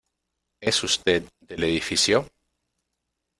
¿ es usted del edificio?